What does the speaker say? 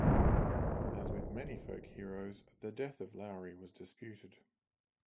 As with many folk heroes, the death of Lowrie was disputed.